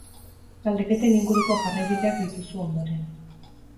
Galdeketen inguruko jarraibideak dituzu ondoren.